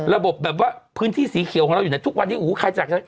ระบบแบบว่าพื้นที่สีเขียวของเราอยู่เนี่ยทุกวันนี้โอ้โหใครจาก